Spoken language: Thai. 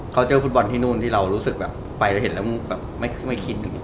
เขาเจอฟุตบอลที่นู่นที่เรารู้สึกแบบไปแล้วเห็นแล้วไม่คิด